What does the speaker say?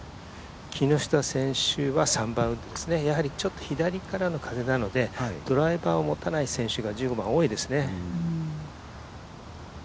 木下選手は３番ウッドですねやはり左からの風なのでドライバーを持たない選手が１５番、多いですね。